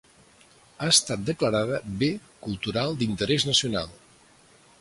Ha estat declarada bé cultural d'interès nacional.